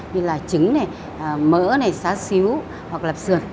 như là trứng mỡ xá xíu hoặc lạp sườn